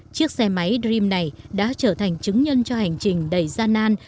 chiếc xe máy dream này đã trở thành chứng nhân cho hành trình đầy gian nan